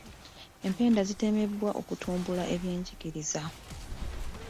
Empenda zitemebwa okutumbula ebyenjigiriza.